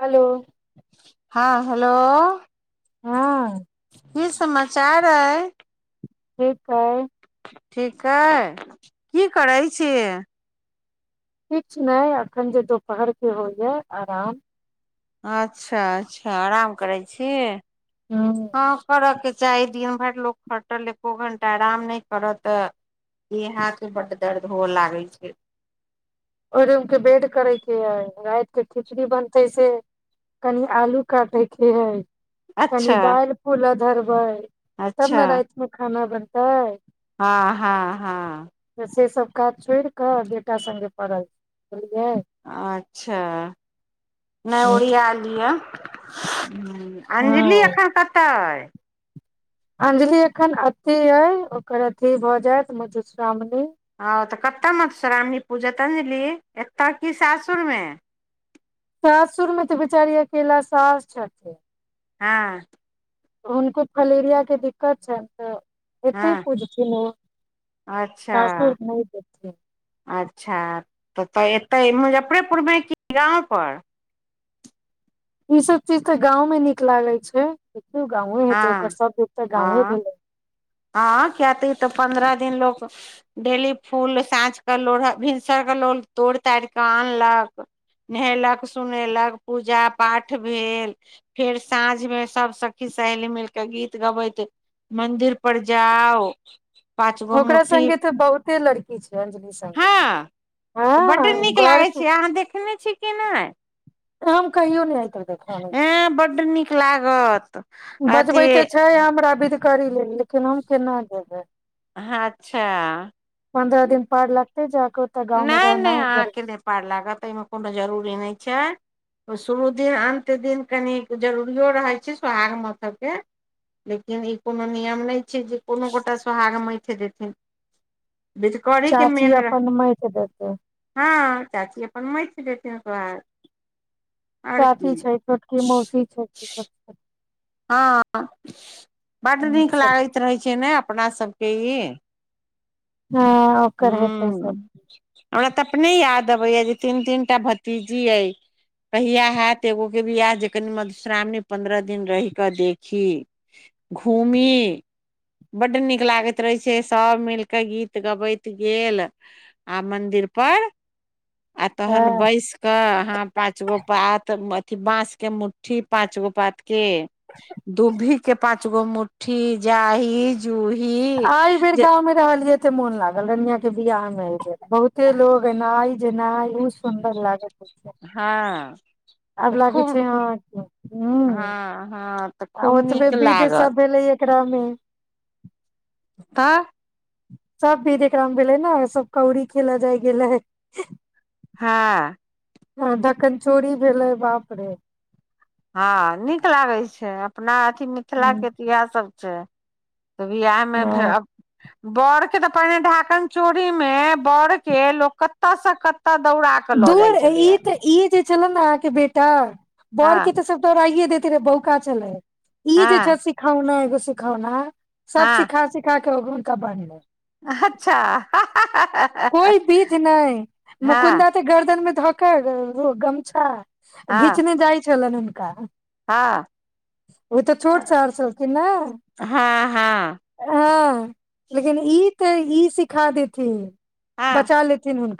Hello हँ hello हँ ई समाचार अइ ठीक आई ठीक अइ की करै छियै किछ नहि अखन जे दुोपहर के होइया आराम अच्छा अच्छा आराम करै छीिय हँ हँ करऽ के चाही दिन भरि लोको खटल एको घं्टा आराम नहि करत देहात सब बड दर्द हअ लागै छै ओहि रूम के वेड करे के हय राइत के खिचड़ी बनते से। कनि आलू काटेके हइ। कनि अच्छा दालि फुलऽ धरबइ तब अच्छा ने राइतमे खाना बनतै। हँ हँ हँ तऽ सेसभ काज छोड़ि कऽ बेटा सङ्गे पड़ल बुझलियै अच्छा नहि ओरिया लिअ हू अञ्जलि हँ एखन कतऽ अय अंजलि एखन अतय अय ओकर अथी भऽ जायत मधुश्रावणी हँ तऽ कतय मधुश्रावणी पूजत अञ्जलि एतऽ की सासुरमे सासुर में तऽ बेचारी अकेला साउस छथि हँ हुनको फलेरिया के दिक्कत छनि तऽ हँ एते पुजथिन आ अच्छा सासुर नइ जेतए अच्छा तऽ तऽ एतै मुजफ्फरेपुरमे कि गाँवपर ई सब चीज ते गांव में निक लागे छै देखियो गांवे हेते ओकर हँ सब कुछ ते गांवे हँ भेले हँ तऽ किये तऽ पन्द्रह दिन लोक डेली फूल साँझके लोढ़ भिनसरके लोल तोड़ि तारि कऽ आनलक नहेलक सुनेलक पूजा पाठ भेल फेर साँझ मे सब सखी सहेली मिलके गीत गबैत मंदिर पर जाउ पाँच गो ओकरा मुट्ठी संङ्गे तऽ बहुते लड़की छै अं्जलि सङगे हँ तऽ बड्ड नीक लागैत छै अहाँ देखने छी कि नहि तऽ हम कहियो नय आय तक देखानै छी एय बड्ड नीक लागत अथी बजबै तऽ छै हमरा बिधकरी लेल लेकिन हम केना जेबै अच्छऽ पन्द्रह दिन पार लगते जाकऽ ओतऽ गाँव मे नहि नहि रहनाय गरी अहाँके नहि पार लागत आहिमे कोनो जरूरी नय छै शुरू दिन अन्त दिन कनिक जरूरियो रहैत छै सोहाग मथऽ केँ लेकिन ई कोनो नियम नय छै जे कोनो गोटा सोहाग मईथ देथिन बिधकरी के चाची मेन रह अपन मैइत देतै हँ चाची अपन मइथ देथिन सोहाग आओर चाची की छै छोटकी मौसी छै हँ बड्ड नीक सब लागैत रहै छै ने अपना सब केँ ई हँ ओकर हेतै सब हुँ हमरा तऽ अपने याद अबै यऽ जे तीन तीन टा भतीजी अय कहिया हत एगो केँ बियाह जे कनी मधुश्रावणी पंन्द्रह दिन रहि कऽ देखी घूमी बड्ड नीक लागैत रहै छै सभ मिलि कऽ गीत गबैत गेल आ मन्दिर पर आ तहन हँ बैस कऽ अहाँ पाच गो पात अथी बांस केँ मुठ्ठी पाच गो पात केँ दुभी केँ पाँच गो मुठ्ठी जाही जूही जे हम रहलियै कते मोन लागल रनिया केँ बियाह मे जे बहुते लोग एनाय जेनाइ खुब सुन्दर लागैत अछि हँ आब तऽ लागै खूब छै अहाँ कऽ हुँ हँ हँ तऽ खूब आ ओतबे नीक विध लागल सब भेलै यऽ रामे आ सब विध एकरामे भेलै नऽ सब कौड़ी खेलऽ जाय गेल रहै हँ हँ ढकन चोरी भेलै बाप रे हँ नीक लागै छै अपना अथी मिथिला हूँ केँ तऽ इहै सब छै तऽ बिआह मे फेर हँ अप बड़ केँ तऽ पहिने ढाकन चोरी मे बड़ केँ लोक कतऽ सँ कतऽ दौड़ा के लऽ जाइ दूर ई छलैया तऽ ई जे छलेन अहाँकेँ बेटा बड़ हँ केँ तऽ सब दौड़ाइये देते रहे बहु का छलै ई जे छै हँ सिखौना एगो सिखौना सब सिखा सिखा केँ अपन खबर लै अच्छऽ हा हा हा कोई बिध नय मुकुन्दा तऽ गरदैन मे धऽ कऽ ओ गमछा हँ घीचने जाइ छलैन हुनका हँ ओ तऽ छोट सार छलखिन नऽ हँ हँ हँ लेकिन ई तऽ ई सिखा देथिन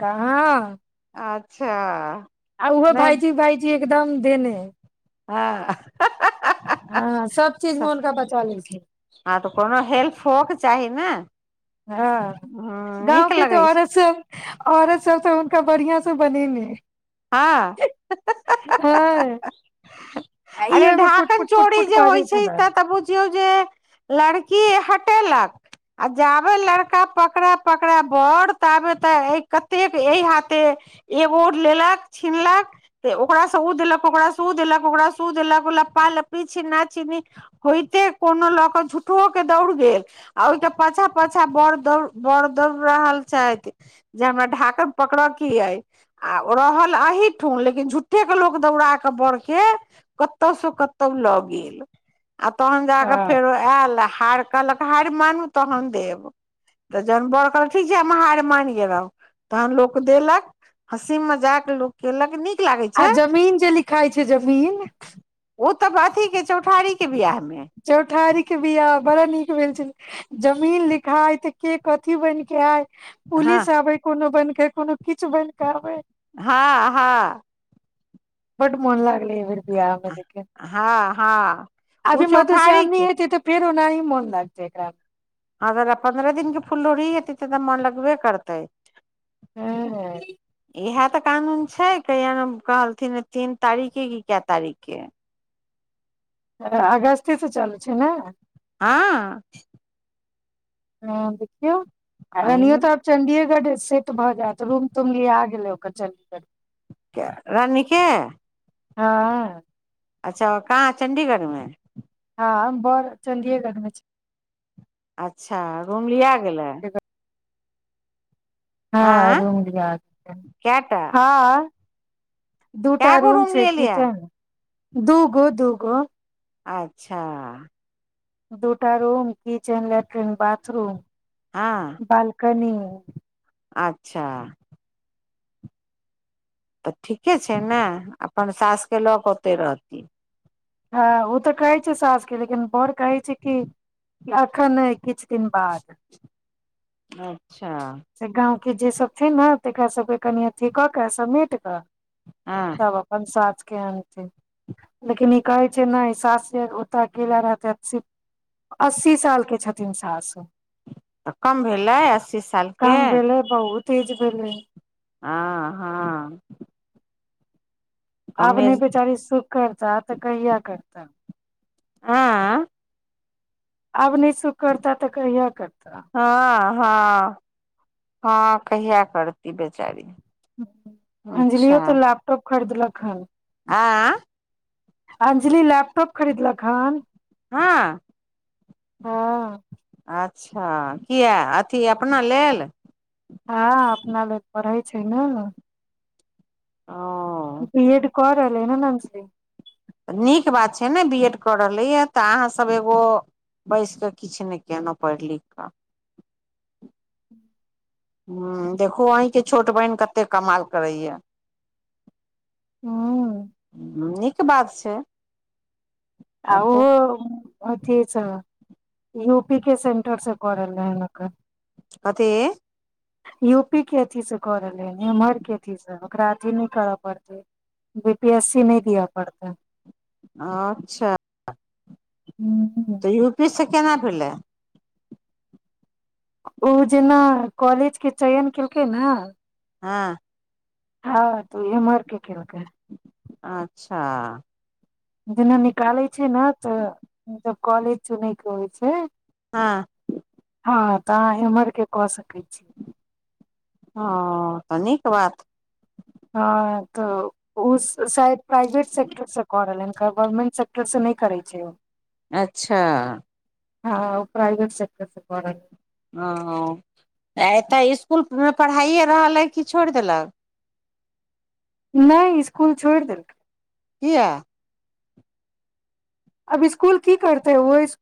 कहाँ अच्छऽ आ उहो भाइजी - भाइजी एकदम देने हँ हँ आ सब चीज मे हुनका बचा लेलखिन हँ तऽ कोनो हेल्फ हूअके चाही न हँ गाँव के तऽ लगै छै आओर त सब औरत सब त हुनका बढ़िआं स बनेने यै हँ ह ह हँ [unintelligible] आ ई अरे ओहिमे पुट ढाकन पुट पुट चोरी पुट जे होइ बाजै छै इत छलनि त बुझ कियौ जे लड़की हटेलक आ जाबे लड़का पकड़ा पकड़ा बर ताबे तऽ कतेक ए हाथे एबोड लेलक छिनलक ते ओकरा सँ उ देलक ओकरा सँ उ देलक ओकारा सँ उ देलक लप्पा लपी छिना छिनी होयते कोनो लऽ क झूठओ के दौड़ गेल आ ओइके पाछा पाछा बड़ दौड़ बड़ दौड़ रहल छथि जे हमर ढाकन पकड़ के यै आ ओ रहल अहीठुन लेकिन झूठ्ठे के लोक दौड़ाक बर के कतौ स कतौ ल गेल आ तहन जाक हँ फेरो उएह आयल हार कहलक हारि मानू तहन देब तऽ जहन बर कहलक त ठीक छै हम हारि मानि गेलौं तहन लोक देलक हंसी मजाक लोक केलक लेकिन नीक लागै आ छै जमीन जे लिखाइ छै जमीन ओ तऽ अथीके चौठारीके वियाहमे चौठारी के बिआह बड़ा नीक भेल छलै जमीन लिखाइ त के कथी बनके आइ हँ पुलिस आबै कोनो बनके कोनो किछु बनिके आबै हँ हँ बड मोन लागलै अयबेर बियाह मे लेकिन हँ हँ आ ओ जे चौठारी के मधुश्रामणी हेेतय त फेर ओनाही मोन लागतै एकरा हं अगर पन्द्रह दिन केे फुललोढ़ी हेतै तब त मन लगबे करतै हूँ इएह त कानून छै कि कहलथिन तीन तारीख के की किए तारीख के अकरा अगस्ते स चलू छै नाय हँ हं देखियौ हरनियो एहिमे त चंडीएगढ़ सेट भ जायत रूम तुम लिआ गेलयै चंडीगढ़मे के रानी के हँ अच्छा कहाँ चंडीगढ़मे हँ बर चंडिएगढ़मे छै अच्छा रूम लिआ गेलाय क त [unintelligible] हँ आँ रूम लिआ गेलै कएटा हँ दूटा कए गो रूम छै लेलियै किचन दू गो दू गो अच्छा दूटा रूम किचेन लैट्रिन बाथरूम हँ बाल्कनी मे अच्छा त ठीके छै ने अपन सासके लऽ के ओतय रहती हॅं ओ त कहै छै सास के लेकिन बर कहै छै कि अखन नै किछु दिन बाद अच्छा से गाँंव के जे सब छै ने तकरा सबके कनि अथी क क समेट क हं तब अपन सासके आनथिन लेकिन ई कहै छै नय सास के ओत अकेला रहतै अस्सी साल के छथिन सास त कम भेलै अस्सी साल के काम भेलै बहुत एज भेलै हं हँ आब कमे ने बेचारी सुख करता त कहिया करता आँ आब नय सुख करता त कहिया करता हँ हँ हँ कहिया करती बेचारी अच्छा अंजलियो तऽ लैपटॉप खरीदलक हन आँ अंजलि लैपटॉप खरीदलक हन हँ हँ अच्छा किया अथी अपना लेल हँ अपना ले पढ़ै छै ने ओ बी एड कऽ रहलै हन ने अंजलि नीक बात छै ने बी एड कऽ रहलै य तऽ अहाँसभ एगो बसिकऽ किछ नय केलौं पढ़ि लिखि कऽ हूं देखु अहींके छोट बहिन कत्ते कमाल करैया हूँ नीक बात छै आ ओहो अथि सऽ यू पी के सेंटर सब कऽ रहलै हन अखन कथी यूपी के अथि से कऽ रहलै ह ईमहर के अथी से ओकरा अथी नय करऽ पड़तै बी पी एस सी नय दियऽ पड़तै अच्छा हूं तऽ यू पी से केना भेलै ओ जेना कॉलेज के चयन केलकै ने हँ हँ तऽओ एमहर के केलकै अच्छा जेना निकालै छै ने तऽ तब कॉलेज चुनै के होइ छै हँ हँ तऽ अहाँ इम्हर के कऽ सकै छी ह तऽ नीक बात हँ तऽ उ शायद प्राइवेट सेक्टर से कऽ रहलै हँ गवर्मेंट सेक्टर से नै करै छै ओ अच्छा हँ ओ प्राइवेट सेक्टर से कऽ रहलै। ओ आ एतऽ इस्कुलमे पढ़ाइये रहल अइ कि छोड़ि देलक। नै इस्कुल छोड़ि देलक। किया? अब स्कूल की करत ओ इस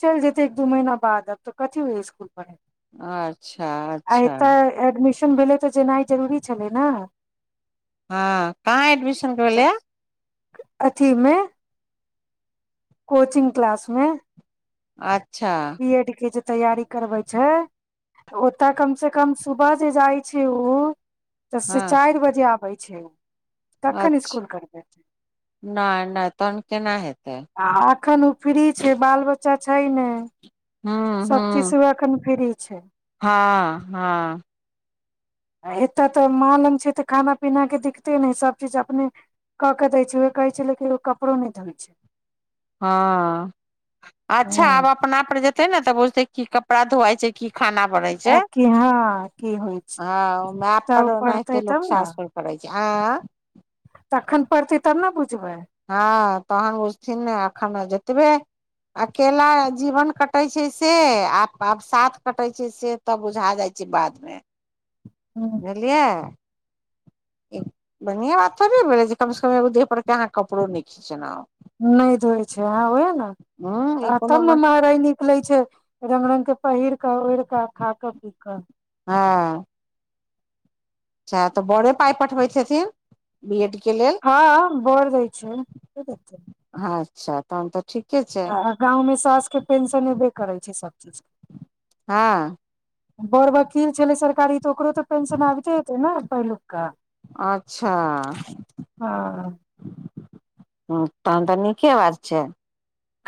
चलि जेतै एक दू महीना बाद अब तऽ कथी ओय इस्कुल पढ़े अच्छा अच्छा एडमिशन भेलै तऽ जेनाइ जरूरी छलै ने। हँ कहाँ एडमिशनके भेलैया। अथीमे कोचिंग क्लास मे। अच्छा बी एड के जे तैयारी करबै छै। ओतय कम से कम सुबह जे जाइ छै उ तऽ से हँ चारि बजे आबै छै कखन इस्कुल करबै। नय नय तहन केना हेतै। आ एखन उ फ्री छै बाल बच्चा छै नै हँ हँ अखन फ्री छै। हँ हँ आ एतय तऽ माॅं लग छै तऽ खाना पीनाके दिक्कते नै सब चीज अपने कऽ केऽ दै छै उह कहै छै लेकिन ओ कपड़ो नै धोइ छै। हँ अच्छा ह आब अपनापर जेतै ने तऽ बुझतै की कपड़ा धोआइ छै की खाना बनै छै आ कि हँ की होइ छै हँ ओ माय तब पर पढ़तै ओनाहिते लोक तब ने ससुर करै छै आँ तखन पड़तै तब न बुझबै हँ तहन बुझथिन ने अखन जेतबे अकेला मे जीवन कटै छै से आ आब साथ कटै छै से तब बुझा जाइ छै बाद मे हूँ बुझलियै ई बढ़िआ बात थोड़े भेलै जे कम से कम एगो देह पर के आहाँ कपड़ो नै खिचनाउ नै धोइ छै हँ ओहेऽ न हँ ई तब कोनो न बात महरैनी निकले छै रंग रंग के पहिर कऽ ओढ़ कऽ खाकऽ पीकऽ हँ अच्छा तऽ बड़े पाइ पठबैत हेथिन बी एड के लेल हँ बड़ दइ छै के देतै हँ स च्छा तहन तऽ ठीके छै आ गाँवमे साउस के पेंशन ऐबे करै छै सब चीज। हँ। बड़ वकील छलै सरकारी तऽ ओकरो तऽ पेंशन आबिते हेतै ने पहिलुकका। अच्छा हँ हाँ तहन तऽ नीके बात छै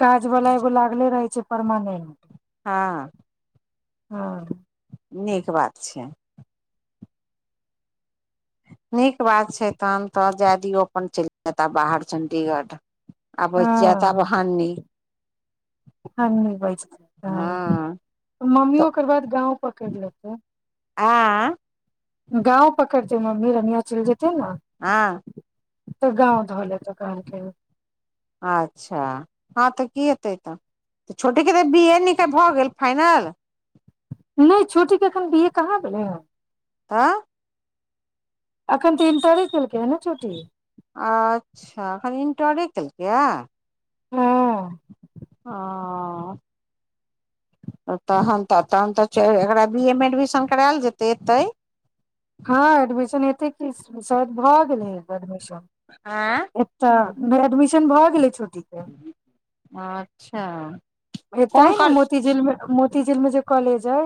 काज वला एगो लागले रहै छै परमानेंट हाँ हाँ नीक बात छै नीक बात छै तहन तऽ जाय दियौ अपन चलिजेताऽ बाहर चण्डीगढ़ आब बचि जाएत हँ आब हनी हनी बचि जाएत हाँ मम्मी तऽ ओकर बाद गाँंव पकैड़ि लेतै ऐँ गाँव पकड़तै मम्मी रनिया चलि जेतै न हाँ तऽ गाँव ध लेतऽ कहलकै या अच्छा हाँ तऽ की हेतै तऽ तऽ छोटे के तऽ बी ए नीके भऽ गेल फाइनल नहि छोटीे एखन बी ए कहाँ भेलै हन हाँऽ अखन तऽ इनटरे केलकै हन न छोटी अच्छा अखन इंटरे केलकै या हाँ हाँ-अ तहन तऽ तहन तऽ चै एकरा बी एमे एडमिशन कराएल जेतै एतेय हाँ एडमिशन हेतै की शायद भऽ गेलै एकर एडमिशन आँ एतऽ नै एडमिशन भऽ गेलै छोटीके अच्छा कोन एतेहऽ ने कॉल मोती झीलमे मोती झीलमे जे कॉलेज ऐ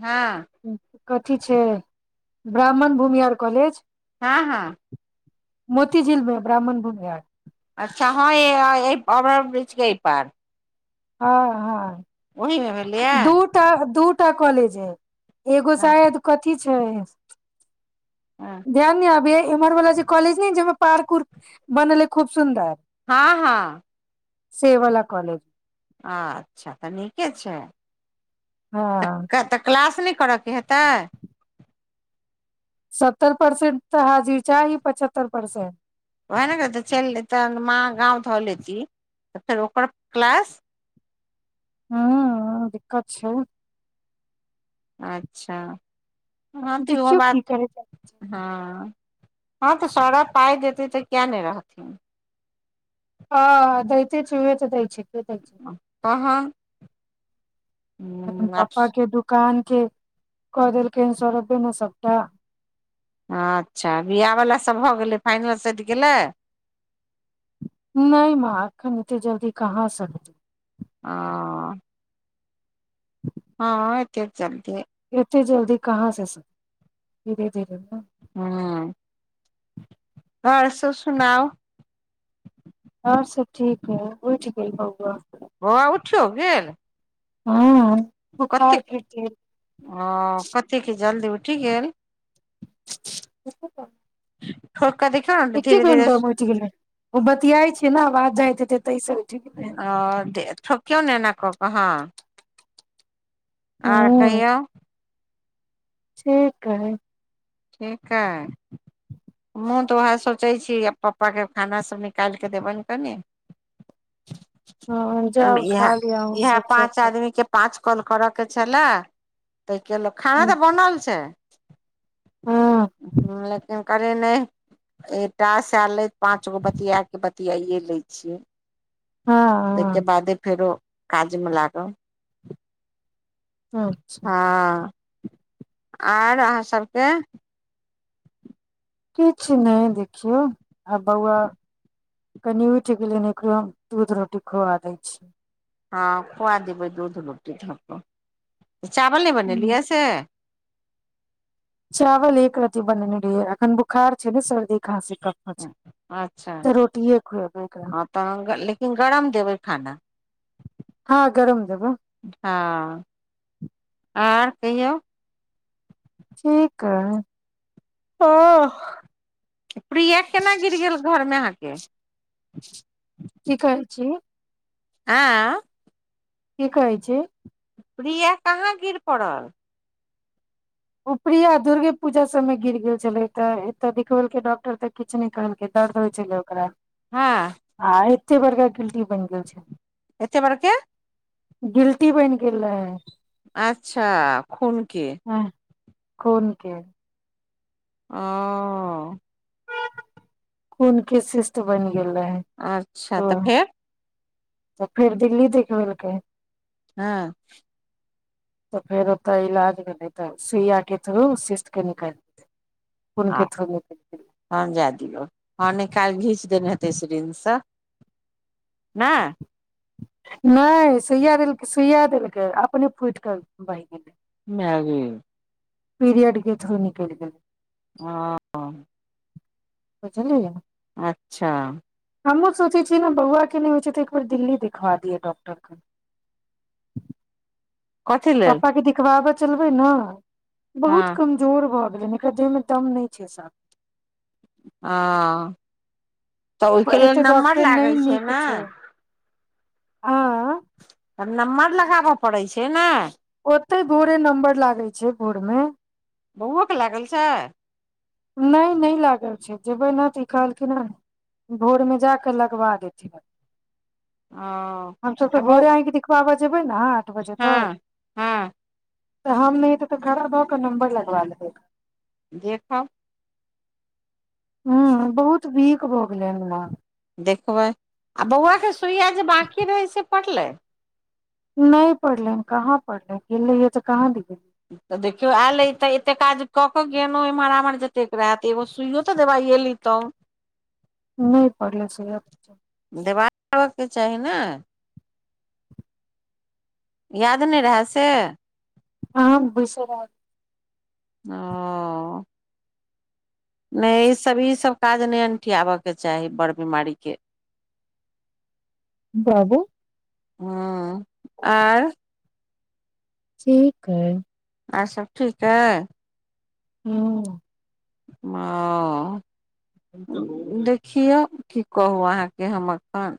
हाँ कथि छै ब्राह्मण भूमिहार कॉलेज हाँ हाँ मोती झीलमे ब्राह्मण भूमिहार अच्छा हाँ यैए ओभर ब्रीजके ऐय पार हाँ हाँ ओहिमे भेलैया तऽ दूटा कॉलेज हइ एगो हँ शायद कथि छै हँ ध्यान ने आबैया इम्हर वला जे कॉलेज ने जाहिमे पार्क उर्क बनल अइ खूब सुन्दर हाँ हाँ सेवला कॉलेज अच्छा तऽ नीके छै हाँ तऽ क्लास नहि करऽके हेतै सत्तर परसेंट तऽ हाजीर चाही पचहत्तर परर्सेंट ओहने कहै चलि तऽ माँ गाँव धऽ लेती तऽ फेर ओकर क्लास हूँ दिक्कत छै अच्छा हाँ तऽ इहो देखियौ बात की करै छै हाँ हाँ तऽ सौरभ पाइ देतै तऽ किए नहि रहथिन हाँ दैते छै उहे तऽ दै छै के दै छै तहन अपन पापाके दुकानके कऽ देलकै हन सौरभ ने सबटा अच्छा बिआह वला सब भऽ गेलै फाइनल सेधी गेलै नहि मा एखन एते जल्दी कहाँ सधतै अ-अ हाँ हाँ एते जल्दी एते जल्दी कहाँ से सधतै धीरे धीरे न हूँ आओर सब सुनाउ आओर सब ठीक या उठि गेल बौआ बौआ उठियो गेल हाँ बुखार फेर तेज अ-कतेक जल्दी उठि गेल [unintelligible] [unintelligible] ठोकि कए देखियौ न एके घंटामे उठि गेलै ओ बतियाय छियै न आवाज जाइत हेतै तैसऽ उठि गेलै हन अ ठोकियौ ने एना कऽ कऽ हाँ आओर हन कहियौ ठीक हइ ठीकअइ हाँ तऽ उएह सोचै छी पप्पाके खाना सब निकाल कऽ देबनि कनि हँ जाउ इहा खा लिअ अहूँ इहा सब सब पाँच गोटे आदमीके पाँच कॉल करऽके छलाए तेहिके लऽ कऽ खाना तऽ बनल छै हँ [unintelligible] कहलियै नहि ए टास्क आएल अइ पाँच गो बतियाके बतियायै लै छियै हँ तैहिके बादे फेरो काजमे लागब हँ अच्छा हाँ आर अहाँ सभके किछ नहि देखियौ आ बौआ कनि उठ गेलै एकरो दूध रोटी खुआ दै छी हाँ खुआ देबै दूध रोटी धऽ कऽ चावल नहि बनेलियै हूँ या से चावल एक रति बनने रहियै एखन बुखार छै ने शरदी खाँसी कफमे छै अच्छा तऽ रोटिये खुएबै एकरा हाँ तऽहन लेकिन गरम देबै खाना हाँ गरम देबै हाँ आर कहियौ ठीक अइ ओ- प्रिया केना गिर गेल घरमे अहाँके की कहै छी आँय की कहै छी प्रिया कहाँ गिर पड़ल उ परिया दुर्गे पूजा सबमे गिर गेल छलै तऽ एतऽ देखबेल केए डॉक्टर तऽ किछु नै कहलकै दर्द होइ छलै ओकरा हाँ आ एते बड़का गिल्टी बनि गेल छलै एते बरके। गिलटी बैन गेल रहै अच्छा खुन के। हँ। खुनके। ओ। खून के शिस्ट बनि गेल रहै अच्छा तो तऽ फेर। तऽ फेर दिल्ली देखबेलकै। हँ। तऽ फेर ओतय इलाज भेलै तऽ सुइयाक के थ्रू सिस्थके निकालि। खुनके थ्रू निकैल गेलै हँ जाए दियौ हँ नि काल्हि घीच देने हेतै सिरिंच सँ नाय। नय सुइया देलकै सुइया देलकै अपने फुट कऽ बहि गेलै। मए गै पीरियड के थ्रू नीकैल गेलै। हँ बुझलियै य। अच्छा। हमहु सोचै छियै ने बौआ के नै होइ छै तऽ एक बेर दिल्ली देखबा दियै डॉक्टर क। कथी लेल पापा के देखिबाबा चलबै न हँ बहुत कम। जोर भऽ गेलै एकरा देह मे दम नय छै साफ। ओँ तऽ ओइके लेल एते नम्बर डॉक्टर लागै नहि छै ने। आँ। तब नम्बर लगाबऽ पड़ै छै नाय ओते भोरे नम्बर लागै छै भोर मे। बौओके लागल छाय नै नै लागल छै जेबै न तऽ ई कहलखिनाय भोर मे जाक लगबा देथिन ओ हमस आ तऽ बौ भोरे आँख दे बबा जेबै ने आठ बजे हँ तक। हँ तऽ हम नै तऽ खड़ा भ क नम्बर लगबा लेबै। देखब। हूँ बहुत वीक भऽ गेलै हमरा। देखबै आ बौआके सुइया जे बाँकी रहै से पड़लै। नै पड़लै कहाँ पढ़लै गेल रहीयै त कहाँ दी गेल। तऽ देखियौ आयलै तऽ एतेक काज कऽ कऽ गेलौ एम्हर एमहर जतेक रहैत एगो सुइयो तऽ दवाइए ली। तौं नै पढ़ले बच्चा के देवाब ऽके चाही ने। याद नै रहए से। ह बसरै। [unintelligible] अ नै ईसब ईसब काज नै अनठियाबऽके चाही बड़ बीमारीके। बाबू हँ आर ठीक हइ आओर सब ठीक अय हूँ ओ देखियौ की कहू अहाँके हम एखन